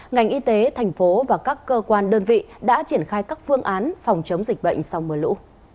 ngành y tế thành phố và các cơ quan đơn vị đã triển khai các phương án phòng chống dịch bệnh sau mưa lũ